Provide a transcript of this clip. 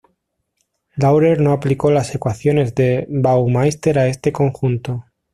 Laurer no aplicó las ecuaciones de Baumeister a este conjunto.